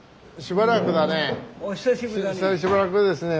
しばらくですね。